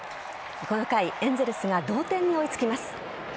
この回エンゼルスが同点に追いつきます。